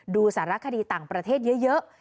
ดูสารคดีต่างประเทศเยอะ